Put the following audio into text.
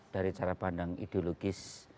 dari cara pandang ideologis